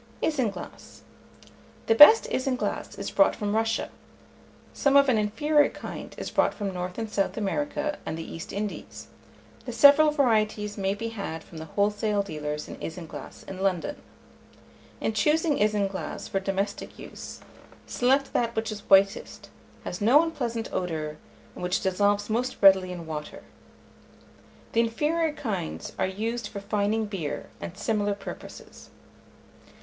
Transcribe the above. ISINGLASS. The best isinglass is brought from Russia; some of an inferior kind is brought from North and South America and the East Indies: the several varieties may be had from the wholesale dealers in isinglass in London. In choosing isinglass for domestic use, select that which is whitest, has no unpleasant odour, and which dissolves most readily in water. The inferior kinds are used for fining beer, and similar purposes.